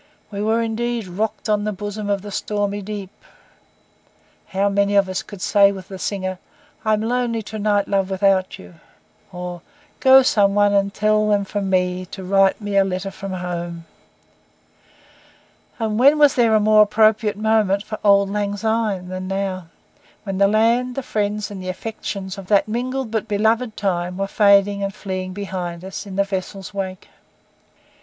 We were indeed 'Rocked on the bosom of the stormy deep.' How many of us could say with the singer, 'I'm lonely to night, love, without you,' or, 'Go, some one, and tell them from me, to write me a letter from home'! And when was there a more appropriate moment for 'Auld Lang Syne' than now, when the land, the friends, and the affections of that mingled but beloved time were fading and fleeing behind us in the vessel's wake?